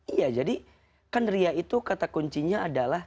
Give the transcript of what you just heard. iya jadi kan ria itu kata kuncinya adalah